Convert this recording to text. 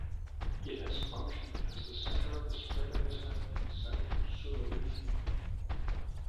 It has functioned as the center of the spread of Islam in South Sulawesi.